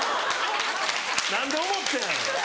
何で思ってん。